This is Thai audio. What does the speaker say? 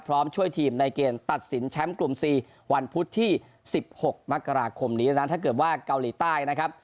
พร้อมช่วยทีมในเกณฑ์ตัดสินแชมป์กลุ่ม๔วันพุธที่๑๖มกราคมนี้ดังนั้นถ้าเกิดว่าเกาหลีใต้นะครับ